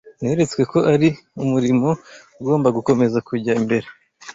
Neretswe ko Ari Umurimo Ugomba Gukomeza Kujya Mbere